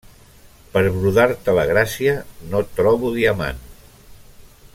Per brodar-te la gràcia, no trobo diamant.